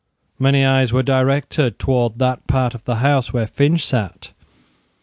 Many eyes were directed towards that part of the house where Finch sate.